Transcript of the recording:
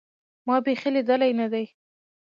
ما بيخي ليدلى نه دى.